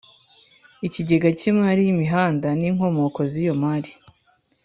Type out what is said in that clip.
Ikigega cy imari y imihanda n inkomoko z iyo mari